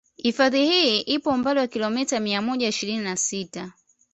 Hifadhi hii ipo umbali wa kilomita mia moja ishirini na sita